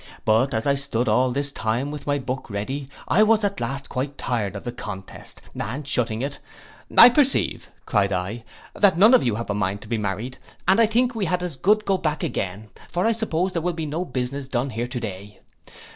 But as I stood all this time with my book ready, I was at last quite tired of the contest, and shutting it, 'I perceive,' cried I, 'that none of you have a mind to be married, and I think we had as good go back again; for I suppose there will be no business done here to day.